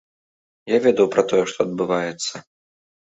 Я ведаў пра тое, што адбываецца.